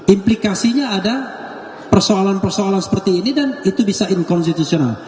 implikasinya ada persoalan persoalan seperti ini dan itu bisa inkonstitusional